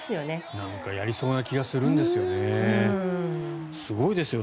なんかやりそうな気がするんですよね。